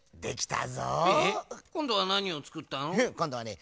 フッこんどはね